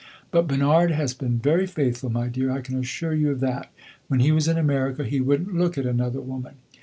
But Bernard has been very faithful, my dear; I can assure you of that. When he was in America he would n't look at another woman.